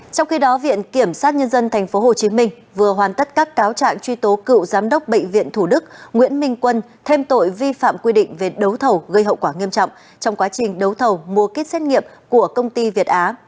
trong khi đó viện kiểm sát nhân dân tp hcm vừa hoàn tất các cáo trạng truy tố cựu giám đốc bệnh viện thủ đức nguyễn minh quân thêm tội vi phạm quy định về đấu thầu gây hậu quả nghiêm trọng trong quá trình đấu thầu mua kết xét nghiệm của công ty việt á